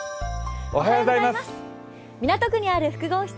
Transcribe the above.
港区にある複合施設